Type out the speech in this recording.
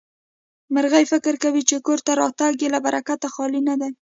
مرغۍ فکر کوي چې کور ته راتګ يې له برکته خالي نه دی.